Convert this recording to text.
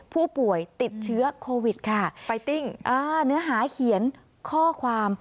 ผู้ป่วยติดเชื้อโควิดค่ะไปติ้งเนื้อหาเขียนข้อความ